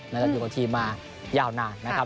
แล้วก็อยู่กับทีมมายาวนานนะครับ